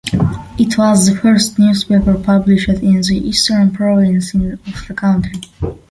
It was the first newspaper published in the Eastern Province of the country.